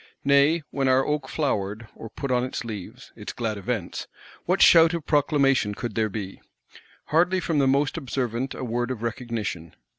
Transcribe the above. Nay, when our oak flowered, or put on its leaves (its glad Events), what shout of proclamation could there be? Hardly from the most observant a word of recognition.